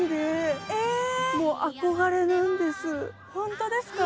ホントですか？